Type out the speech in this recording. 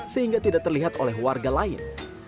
sehingga tidak terlihat oleh warga lain